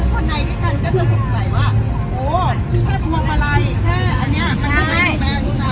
คนใดด้วยกันก็เจอสุขใบวะโอ้โหพี่เจอบางมาลัยแค่อันเนี้ยมันทำไงมันแปลกซัก